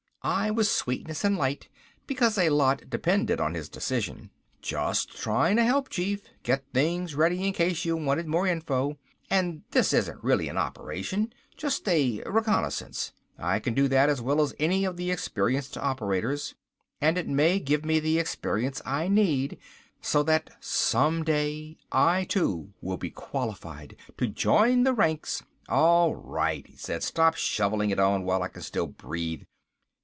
I was sweetness and light because a lot depended on his decision. "Just trying to help, chief, get things ready in case you wanted more info. And this isn't really an operation, just a reconnaissance. I can do that as well as any of the experienced operators. And it may give me the experience I need, so that some day, I, too, will be qualified to join the ranks...." "All right," he said. "Stop shoveling it on while I can still breathe.